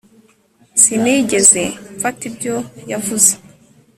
sinigeze mfata ibyo yavuze